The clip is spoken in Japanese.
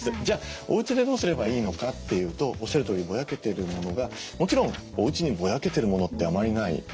じゃあおうちでどうすればいいのかというとおっしゃるとおりぼやけてるものがもちろんおうちにぼやけてるものってあまりない。